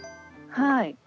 はい。